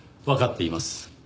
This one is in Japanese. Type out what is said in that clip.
わかっています。